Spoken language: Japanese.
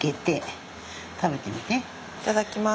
いただきます。